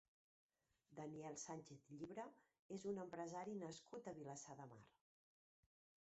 Daniel Sánchez Llibre és un empresari nascut a Vilassar de Mar.